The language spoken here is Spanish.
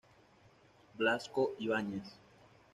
Blasco Ibañez.